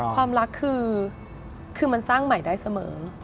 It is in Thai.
ความรักคือมันสร้างใหม่ได้เสมอ